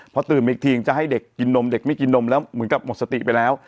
พอตื่นอีกทีจะให้เด็กกินนมเด็กไม่กินนมแล้วเหมือนกับหมดสติไปแล้ว